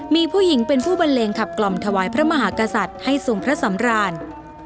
มีผู้หญิงเป็นผู้บันเลงขับกล่อมถวายพระมหากษัตริย์ให้ทรงพระสำราญ